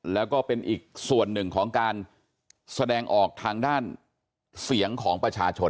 แล้วก็เป็นอีกส่วนหนึ่งของการแสดงออกทางด้านเสียงของประชาชน